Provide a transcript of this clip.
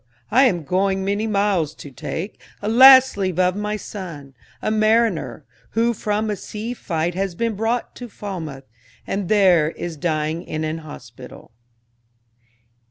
I am going many miles to take A last leave of my son, a mariner, Who from a sea fight has been brought to Falmouth, And there is dying in an hospital."